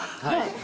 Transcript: はい。